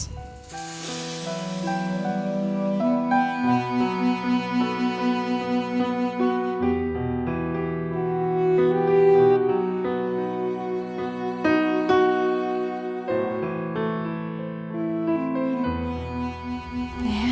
udah bebas keguguran